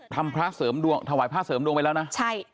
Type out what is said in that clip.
พระเสริมดวงถวายพระเสริมดวงไปแล้วนะใช่